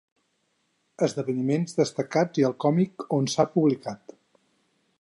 Esdeveniments destacats i el còmic on s'han publicat.